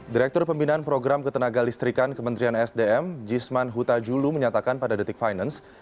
direktur pembinaan program ketenaga listrikan kementerian sdm jisman huta julu menyatakan pada detik finance